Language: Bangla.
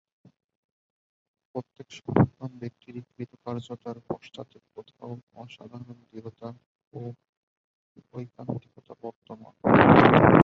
প্রত্যেক সফলকাম ব্যক্তিরই কৃতকার্যতার পশ্চাতে কোথাও অসাধারণ দৃঢ়তা ও ঐকান্তিকতা বর্তমান।